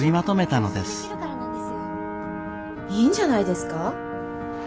いいんじゃないですか？